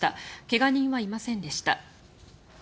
怪我人はいませんでした。